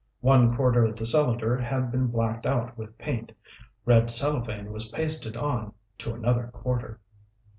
One quarter of the cylinder had been blacked out with paint. Red cellophane was pasted on to another quarter.